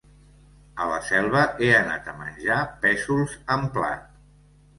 A la Selva he anat a menjar pèsols en plat.